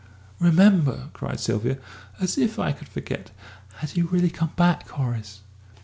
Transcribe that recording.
"Remember!" cried Sylvia. "As if I could forget! Has he really come back, Horace?"